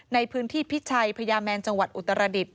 ในพื้นที่พิชัยพญาแมนจังหวัดอุตรดิษฐ